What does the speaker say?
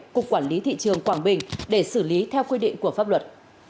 cục quản lý thị trường quảng bình để xử lý theo quy định của pháp luật